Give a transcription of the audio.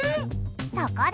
そこで！